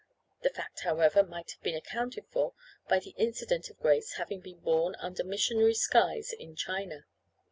The fact, however, might have been accounted for by the incident of Grace having been born under missionary skies in China.